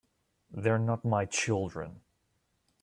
They're not my children.